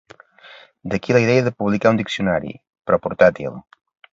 D'aquí la idea de publicar un diccionari, però portàtil.